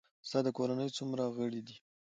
ستا د کورنۍ څومره غړي دي؟